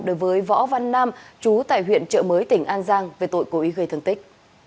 đối với võ văn nam chú tại huyện trợ mới tỉnh an giang về tội cố ý gây thương tích